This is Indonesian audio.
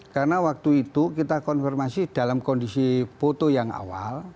karena waktu itu kita konfirmasi dalam kondisi foto yang awal